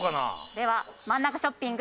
では真ん中ショッピング